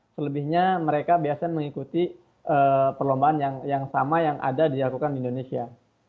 selebihnya mereka biasanya mengikuti perlombaan yang sama yang ada dilakukan di indonesia